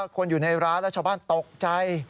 คนอยู่ในร้านและชาวบ้านตกใจ